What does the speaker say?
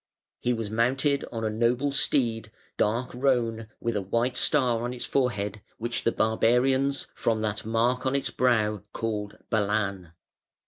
He was mounted on a noble steed, dark roan, with a white star on its forehead, which the barbarians, from that mark on its brow, called "Balan".